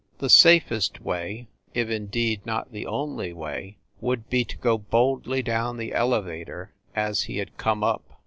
The safest way, if indeed, not the only way, would be to go boldly down the elevator, as he had come up.